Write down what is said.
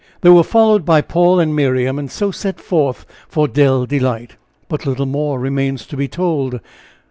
They were followed by Paul and Miriam, and so set forth for Dell Delight. But little more remains to be told.